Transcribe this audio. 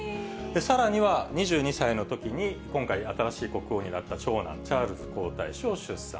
さらには２２歳のときに、今回、新しい国王になった長男のチャールズ皇太子を出産。